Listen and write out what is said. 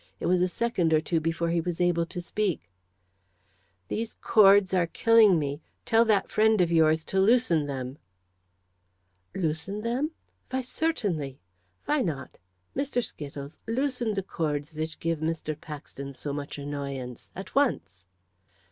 It was a second or two before he was able to speak. "These cords are killing me. Tell that friend of yours to loosen them." "Loosen them? Why, certainly. Why not? My Skittles, loosen the cords which give Mr. Paxton so much annoyance at once."